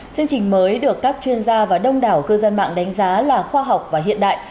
chương trình mới được các chuyên gia và đông đảo cư dân mạng đánh giá là khoa học và hiện đại